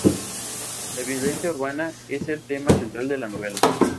La violencia urbana es el tema central de la novela.